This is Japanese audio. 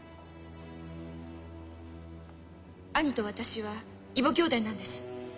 兄と私は異母兄弟なんです。